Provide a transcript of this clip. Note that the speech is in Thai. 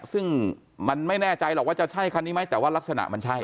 ซึ่งมันไม่แน่ใจหรอกว่าจะใช่คันนี้ไหมแต่ว่ารักษณะมันใช่